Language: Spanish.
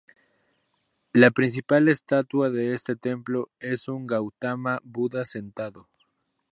La principal estatua de este templo es un Gautama Buda sentado.